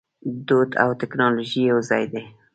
دود او ټیکنالوژي یوځای دي.